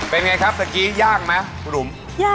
เป็นไงครับตะกี้ยากไหมหลุม